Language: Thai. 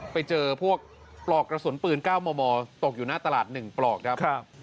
ไปเจอพวกปลอกกระสุนปืน๙มมตกอยู่หน้าตลาด๑ปลอกครับ